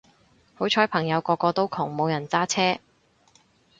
好彩朋友個個都窮冇人揸車